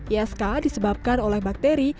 isk disebabkan oleh bakteri